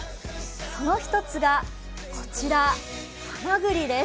その一つがこちら、はまぐりです。